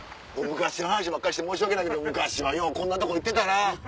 昔の話ばっかりして申し訳ないけど昔はようこんなとこ行ってたな。